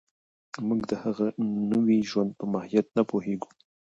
موږ د هغه نوي ژوند په ماهیت نه پوهېږو